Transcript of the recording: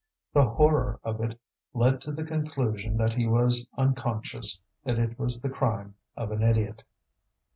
The horror of it led to the conclusion that he was unconscious, that it was the crime of an idiot.